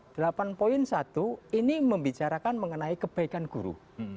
delapan poin satu ini membicarakan mengenai kebaikan guru